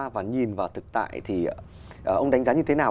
và nhìn vào thực tại thì ông đánh giá như thế nào